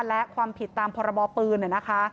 และความผิดตามพรบปืนนะคะ